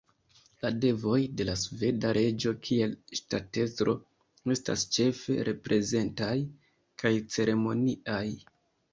La devoj de la sveda reĝo kiel ŝtatestro estas ĉefe reprezentaj kaj ceremoniaj.